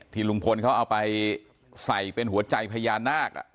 ลุงพลเขาเอาไปใส่เป็นหัวใจพญานาค